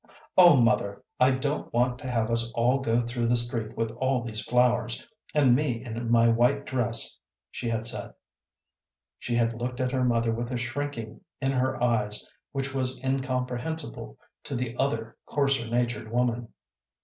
"Oh, mother, I don't want to have us all go through the street with all these flowers, and me in my white dress," she had said. She had looked at her mother with a shrinking in her eyes which was incomprehensible to the other coarser natured woman.